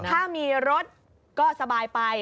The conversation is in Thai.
ถ้ามีรถก็สบายไป